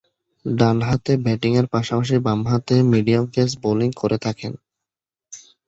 ডানহাতে ব্যাটিংয়ের পাশাপাশি বামহাতে মিডিয়াম পেস বোলিং করে থাকেন।